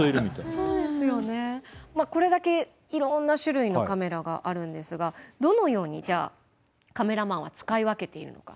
これだけいろんな種類のカメラがあるんですがどのようにじゃあカメラマンは使い分けているのか。